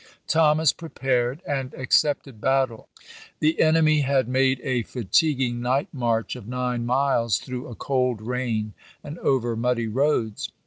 Thomas prepared, and accepted battle. The enemy had made a fatigulug night march of nine miles through a cold rain and over muddy roads.